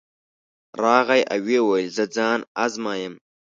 راغی او ویې ویل زه ځان ازمایم.